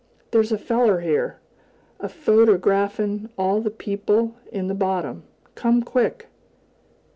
There's a feller here, a photergraph'n' all the people in the Bottom! Come, quick!"